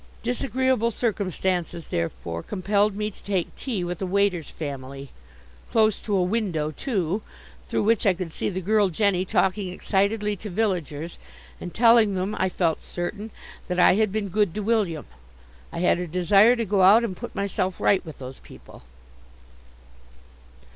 Disagreeable circumstances, therefore, compelled me to take tea with a waiter's family close to a window, too, through which I could see the girl Jenny talking excitedly to villagers, and telling them, I felt certain, that I had been good to William. I had a desire to go out and put myself right with those people.